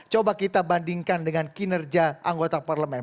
coba kita bandingkan dengan kinerja anggota parlemen